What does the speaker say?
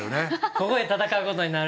ここで戦うことになる？